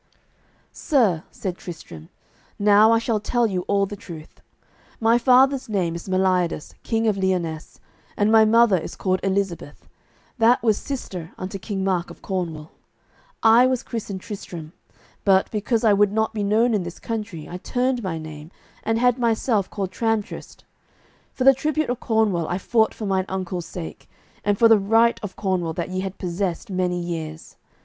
"Sir," said Tristram, "now I shall tell you all the truth: My father's name is Meliodas, king of Lyonesse, and my mother is called Elizabeth, that was sister unto King Mark of Cornwall. I was christened Tristram, but, because I would not be known in this country, I turned my name, and had myself called Tramtrist. For the tribute of Cornwall I fought for mine uncle's sake, and for the right of Cornwall that ye had possessed many years.